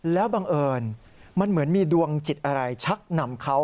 แล้วบังเอิญมันเหมือนมีดวงจิตอะไรชักนำเขา